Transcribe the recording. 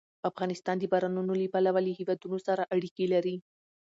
افغانستان د بارانونو له پلوه له هېوادونو سره اړیکې لري.